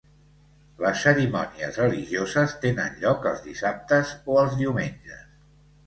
Les cerimònies religioses tenen lloc els dissabtes o els diumenges.